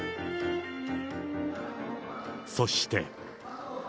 そして。